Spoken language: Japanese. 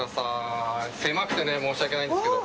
狭くて申し訳ないんですけど。